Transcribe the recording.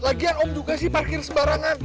lagian om juga sih parkir sembarangan